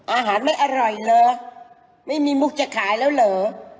อาหารไม่อร่อยเหรอไม่มีมุกจะขายแล้วเหรอ